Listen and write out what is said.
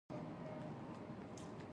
خان صاحب ستا هره خبره په سر سترگو منم.